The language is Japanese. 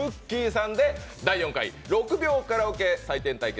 さんで第４回６秒カラオケ採点対決